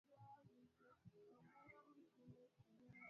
wote wanaabudu hasa Jumapili ambayo ndiyo siku ya tukio hilo kuu la historia